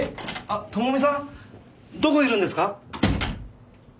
朋美さんどこいるんですか？